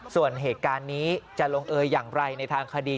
ส่วนเหตุการณ์นี้จะลงเอยอย่างไรในทางคดี